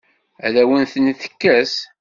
Ad awen-ten-tekkes?